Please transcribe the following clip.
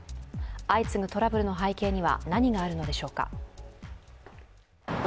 相次ぐトラブルの背景には何があるのでしょうか。